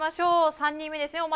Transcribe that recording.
３人目です。